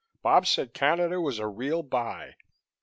Bob said Canada was a real buy."